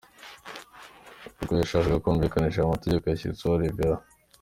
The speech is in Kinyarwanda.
Ubwo yashakaga kumvikanisha aya mategeko yashyizeho Rev.